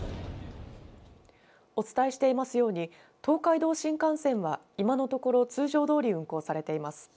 お伝えしていますように東海道新幹線は今のところ通常どおり運行されています。